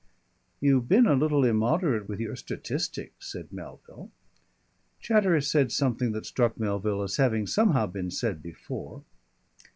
"You've been a little immoderate with your statistics," said Melville. Chatteris said something that struck Melville as having somehow been said before.